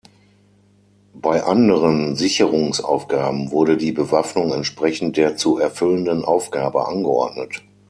Bei anderen Sicherungsaufgaben wurde die Bewaffnung entsprechend der zu erfüllenden Aufgabe angeordnet.